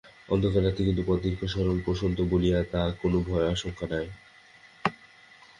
অন্ধকার রাত্রি, কিন্তু পথ দীর্ঘ সরল প্রশস্ত বলিয়া কোন ভয়ের আশঙ্কা নাই।